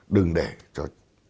đừng để cho